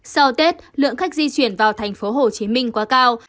sau tết lượng khách di chuyển vào tp hcm quá cao